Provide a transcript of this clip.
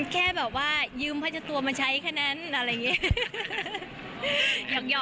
แค่แบบว่ายืมผ้าชัดตัวมาใช้ขนาดนั้นอะไรอย่างนี้